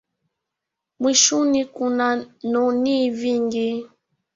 Mwichuni kuna nonii vingi